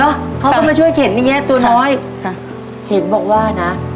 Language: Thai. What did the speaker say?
เหรอเขาก็มาช่วยเค้นนี้นะตัวน้อย